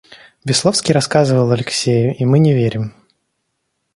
Весловский рассказывал Алексею, и мы не верим.